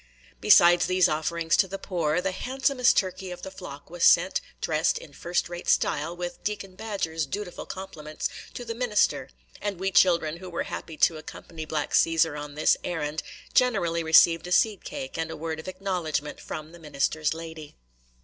Besides these offerings to the poor, the handsomest turkey of the flock was sent, dressed in first rate style, with Deacon Badger's dutiful compliments, to the minister; and we children, who were happy to accompany black Cæsar on this errand, generally received a seed cake and a word of acknowledgment from the minister's lady.